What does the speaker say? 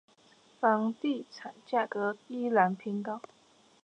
房地產價格依然偏高